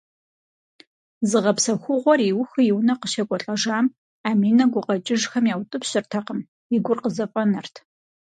Зыгъэпсэхугъуэр иухыу и унэ къыщекӏуэлӏэжам, Аминэ гукъэкӏыжхэм яутӏыпщыртэкъым, и гур къызэфӏэнэрт.